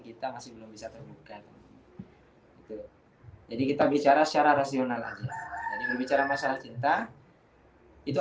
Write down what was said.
kita masih belum bisa terbuka itu jadi kita bicara secara rasional aja jadi bicara masalah cinta itu